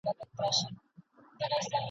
څوک د ملالي په اړه څه وایي؟